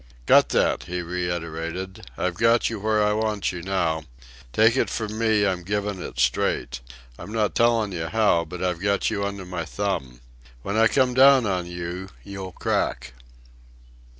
"Cut that," he reiterated. "I've got you where 1 want you now. Take it from me, I'm givin' it straight. I'm not tellin' you how, but I've got you under my thumb. When I come down on you, you'll crack."